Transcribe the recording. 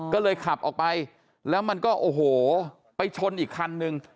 ก็เลยขับออกไปแล้วมันก็โอ้โหไปชนอีกคันนึง